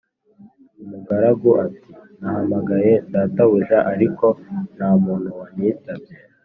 Umugaragu ati: » nahamagaye databuja, ariko nta muntu wanyitabye.